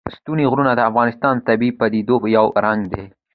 ستوني غرونه د افغانستان د طبیعي پدیدو یو رنګ دی.